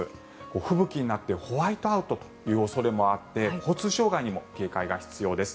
吹雪になってホワイトアウトという恐れもあって交通障害にも警戒が必要です。